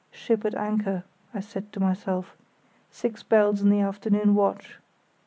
"Ship at anchor," I said to myself. "Six bells in the afternoon watch."